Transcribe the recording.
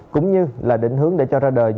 cũng như là định hướng để cho ra đời